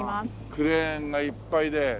クレーンがいっぱいで。